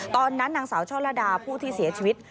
ตอนนั้นนางสาวช่อระดาผู้ที่เสียชีวิต